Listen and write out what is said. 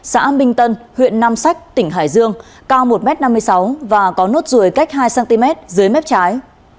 xã minh tân huyện nam sách tỉnh hải dương cao một m năm mươi sáu và có nốt ruồi cách hai cm dưới mép trái